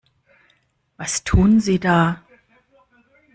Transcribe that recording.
Was tun Sie da?